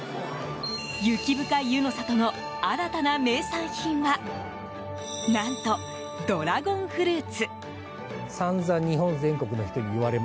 雪深い湯の里の新たな名産品は何とドラゴンフルーツ！